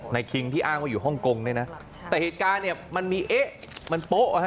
ในคิงที่อ้างว่าอยู่ฮ่องกงด้วยนะแต่เหตุการณ์มันมีเอ๊ะมันโป๊ะ